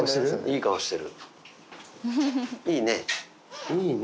いいね。